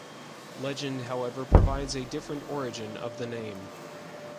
Legend, however, provides a different origin of the name.